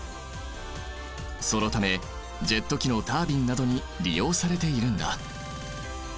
そのためジェット機のタービンなどに利用されているんだ。